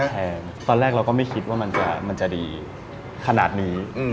แพงตอนแรกเราก็ไม่คิดว่ามันจะดีขนาดนี้